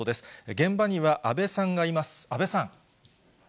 現場には阿部さんがいます。